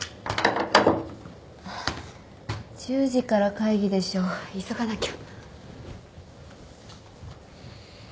１０時から会議でしょ急がなきゃ。